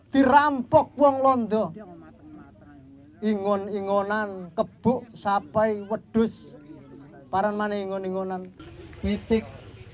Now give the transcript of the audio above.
dirampok uang londo ingon ingonan kebuk sampai wadus para mani ngon ngonan petik